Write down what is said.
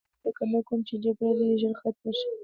ما وویل فکر نه کوم چې جګړه دې ژر ختمه شي